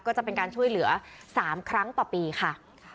ก็จะเป็นการช่วยเหลือ๓ครั้งต่อปีค่ะ